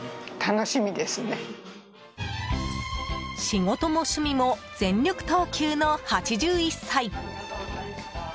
仕事も趣味も全力投球の８１歳。